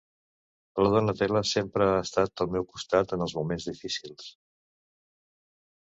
La Donatella sempre ha estat al meu costat en els moments difícils.